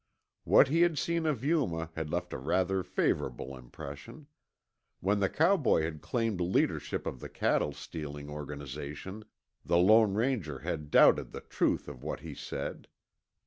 What he had seen of Yuma had left a rather favorable impression. When the cowboy had claimed leadership of the cattle stealing organization, the Lone Ranger had doubted the truth of what he said.